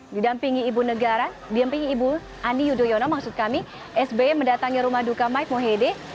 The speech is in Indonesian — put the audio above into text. didampingi ibu negara didampingi ibu ani yudhoyono maksud kami sby mendatangi rumah duka mike mohede